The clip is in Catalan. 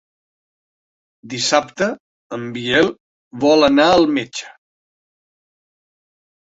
Dissabte en Biel vol anar al metge.